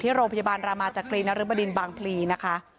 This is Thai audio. โรงพยาบาลรามาจักรีนรึบดินบางพลีนะคะ